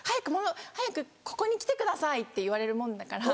早くここに来てくださいって言われるもんだから。